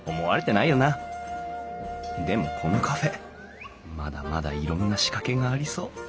でもこのカフェまだまだいろんな仕掛けがありそう。